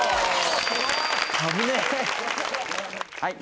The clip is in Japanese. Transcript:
はい。